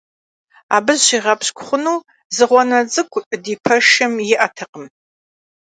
Абы зыщигъэпщкӀу хъуну зы гъуанэ цӀыкӀу ди пэшым иӀэтэкъым.